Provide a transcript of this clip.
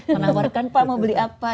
ditawarkan pak mau beli apa